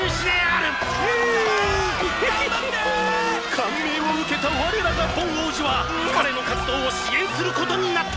「感銘を受けた我らがボン王子は彼の活動を支援することになった！！」